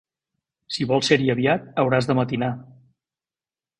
Si vols ser-hi aviat hauràs de matinar.